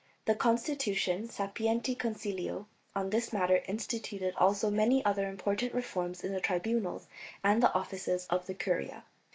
The constitution "Sapienti consilio" on this matter instituted also many other important reforms in the tribunals and offices of the curia.